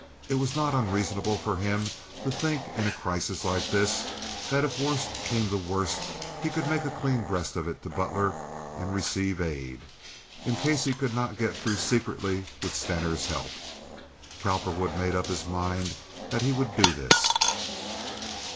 It was not unreasonable for him to think, in a crisis like this, that if worst came to worst, he could make a clean breast of it to Butler and receive aid. In case he could not get through secretly with Stener's help, Cowperwood made up his mind that he would do this.